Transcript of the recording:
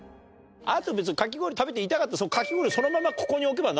あと別にかき氷食べて痛かったらかき氷をそのままここに置けば治るよね？